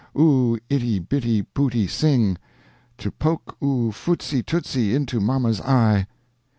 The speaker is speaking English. oo itty bitty pooty sing! To poke oo footsy tootsys into momma's eye!"